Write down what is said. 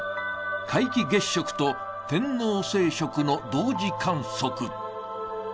皆既月食と天王星食の同時観測。